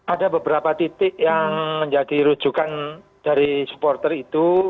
ada beberapa titik yang menjadi rujukan dari supporter itu